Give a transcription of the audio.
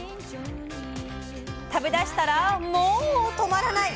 食べ出したらモ止まらない！